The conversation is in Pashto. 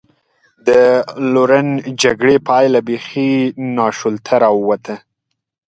د لورن جګړې پایله بېخي ناشولته را ووته.